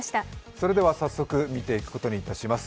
それでは早速見ていくことにいたします。